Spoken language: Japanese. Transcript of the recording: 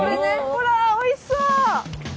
ほらおいしそう！